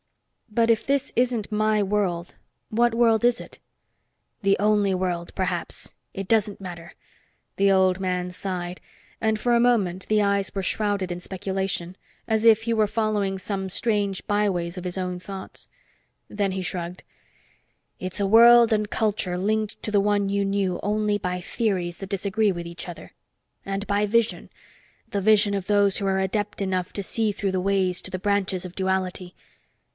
But if this isn't my world, what world is it?" "The only world, perhaps. It doesn't matter." The old man sighed, and for a moment the eyes were shrouded in speculation, as if he were following some strange by ways of his own thoughts. Then he shrugged. "It's a world and culture linked to the one you knew only by theories that disagree with each other. And by vision the vision of those who are adept enough to see through the Ways to the branches of Duality.